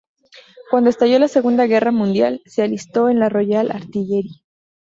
Cuando estalló la Segunda Guerra Mundial se alistó en la Royal Artillery.